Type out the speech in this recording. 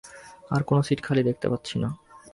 আর কোন সিট খালি দেখতে পাচ্ছি না।